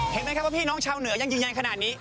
เห็นไหมครับว่าพี่น้องชาวเหนือยังยืนยันขนาดนี้